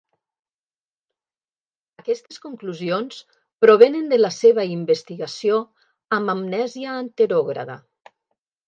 Aquestes conclusions provenen de la seva investigació amb amnèsia anterògrada.